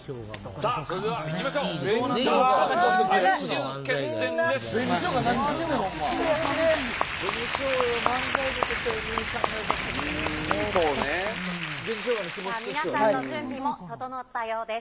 さあ、皆さんの準備も整ったようです。